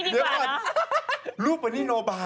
หัวขบประหย่อสุดท้าย